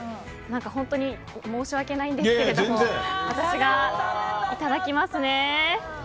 本当に申し訳ないんですけれども私がいただきますね。